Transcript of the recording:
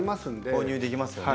購入できますよね。